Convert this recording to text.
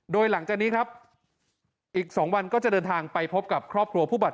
โดยหลังจากนี้ครับอีก๒วันก็จะเดินทางไปพบกับครอบครัวผู้บาดเจ็บ